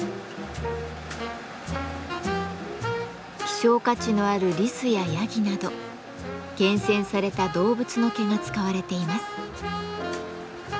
希少価値のあるリスやヤギなど厳選された動物の毛が使われています。